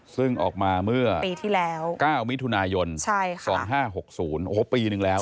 ซึ่งออกมาเมื่อปีที่แล้ว๙มิถุนายน๒๕๖๐โอ้โหปีนึงแล้ว